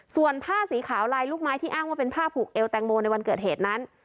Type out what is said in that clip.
ส่วนผ้าสีขาวลายลูกไม้ที่อ้างว่าเป็นผ้าผูกเอวแตงโมในวันเกิดเหตุนั้น